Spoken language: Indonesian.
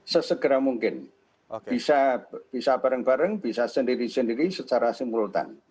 sesegera mungkin bisa bareng bareng bisa sendiri sendiri secara simultan